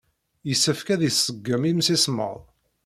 Yessefk ad iṣeggem imsismeḍ.